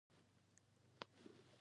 موږ یو بل نه وینو خو د یو بل غږونه اورو